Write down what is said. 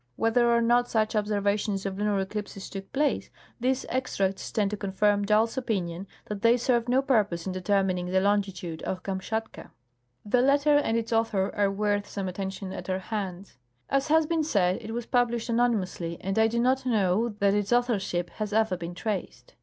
Whether or not such observations of lunar eclipses took place, these extracts tend to confirm Ball's opinion that the}^ served no purpose in determining the longitude of Kamshatka. The letter and its author are worth some attention at our hands. As has been said, it was published anonymously, and I do not know that its authorship has ever been traced.